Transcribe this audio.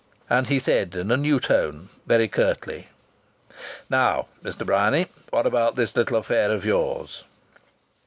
And he said in a new tone, very curtly: "Now, Mr. Bryany, what about this little affair of yours?"